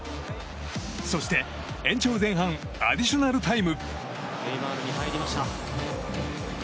そして延長前半アディショナルタイム。